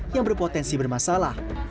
yang berpotensi bermasalah